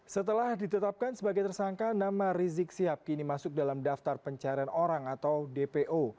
setelah ditetapkan sebagai tersangka nama rizik sihab kini masuk dalam daftar pencarian orang atau dpo